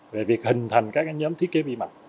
về việc hình thành các nhóm thiết kế vi mạch